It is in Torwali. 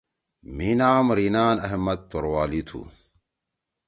مھی نام رینان احمد توروالی تُھو۔